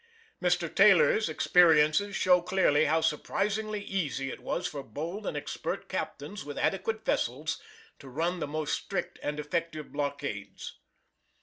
Mr. Taylor's experiences show clearly how surprisingly easy it was for bold and expert captains with adequate vessels to run the most strict and effective blockades.